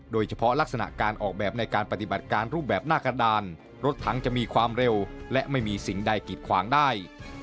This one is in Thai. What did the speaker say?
ลักษณะการออกแบบในการปฏิบัติการรูปแบบหน้ากระดานรถทั้งจะมีความเร็วและไม่มีสิ่งใดกิดขวางได้